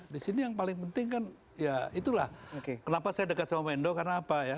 di sini yang paling penting kan ya itulah kenapa saya dekat sama mendo karena apa ya